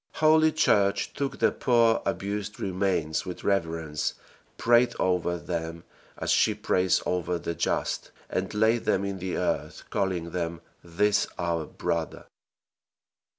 Holy Church took the poor abused remains with reverence, prayed over them as she prays over the just, and laid them in the earth, calling them "this our brother."